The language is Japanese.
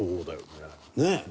ねえ。